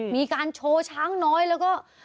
มีการโชว์ช้างน้อยแล้วก็